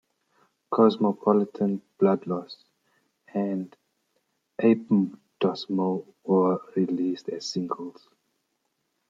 "Cosmopolitan Bloodloss" and "Ape Dos Mil" were released as singles.